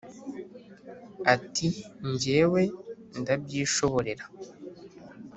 Ati: jyewe ndabyishoborera.